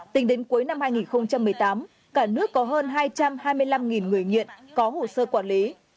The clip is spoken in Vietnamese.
tính đến cuối năm hai nghìn một mươi tám cả nước có hơn hai trăm hai mươi năm người nghiện có hồ sơ quản lý